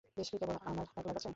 দেশ কি কেবল আমার একলার কাছে!